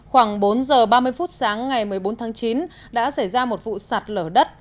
khoảng bốn giờ ba mươi phút sáng ngày một mươi bốn tháng chín đã xảy ra một vụ sạt lở đất